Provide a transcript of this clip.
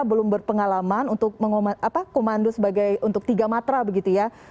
belum berpengalaman untuk komando sebagai untuk tiga matra begitu ya